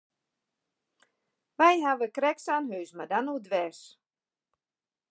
Wy hawwe krekt sa'n hús, mar dan oerdwers.